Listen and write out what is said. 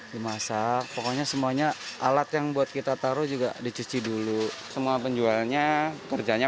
dimasak pokoknya semuanya alat yang buat kita taruh juga dicuci dulu semua penjualnya kerjanya